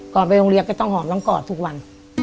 ไปโรงเรียนก็ต้องหอมน้องกอดทุกวัน